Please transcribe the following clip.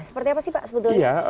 seperti apa sih pak sebetulnya